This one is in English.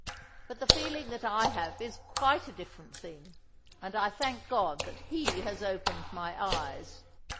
But the feeling that I have is quite a different thing, and I thank God that He has opened my eyes.